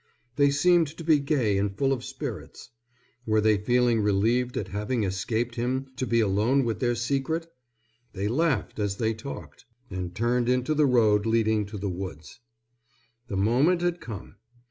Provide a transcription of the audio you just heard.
They seemed to be gay and full of spirits. Were they feeling relieved at having escaped him to be alone with their secret? They laughed as they talked, and turned into the road leading to the woods. The moment had come.